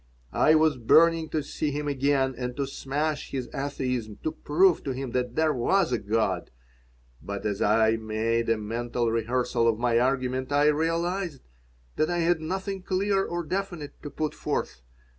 I was burning to see him again and to smash his atheism, to prove to him that there was a God. But as I made a mental rehearsal of my argument I realized that I had nothing clear or definite to put forth.